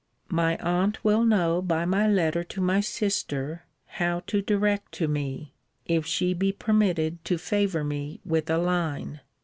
My aunt will know by my letter to my sister how to direct to me, if she be permitted to favour me with a line.